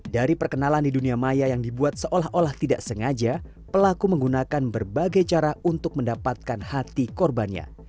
dari perkenalan di dunia maya yang dibuat seolah olah tidak sengaja pelaku menggunakan berbagai cara untuk mendapatkan hati korbannya